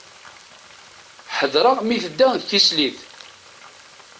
Ḥeḍreɣ mi tedda d tislit.